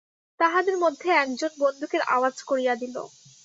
তাহাদের মধ্যে একজন বন্দুকের আওয়াজ করিয়া দিল।